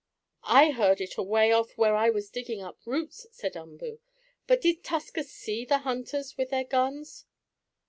"I heard it away off where I was digging up roots," said Umboo. "But did Tusker see the hunters with their guns?"